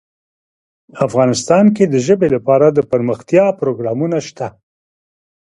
افغانستان کې د ژبې لپاره دپرمختیا پروګرامونه شته.